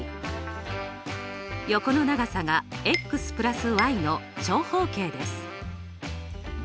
横の長さがの長方形です。